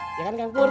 iya kan kang pur